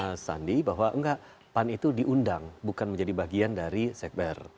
mas sandi bahwa enggak pan itu diundang bukan menjadi bagian dari sekber